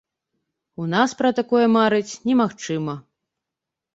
У нас пра такое марыць немагчыма!